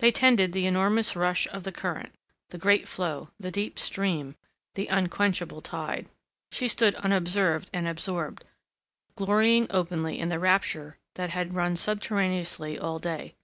They tended the enormous rush of the current—the great flow, the deep stream, the unquenchable tide. She stood unobserved and absorbed, glorying openly in the rapture that had run subterraneously all day.